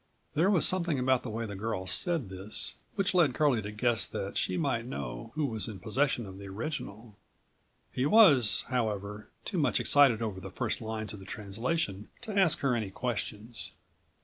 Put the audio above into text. There115 was something about the way the girl said this which led Curlie to guess that she might know who was in possession of the original. He was, however, too much excited over the first lines of the translation to ask her any questions.